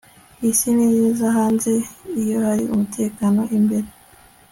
isi ni nziza hanze iyo hari umutekano imbere